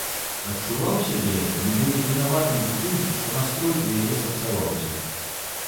Адчуваў сябе нібы вінаватым у тым, што настрой у яе сапсаваўся.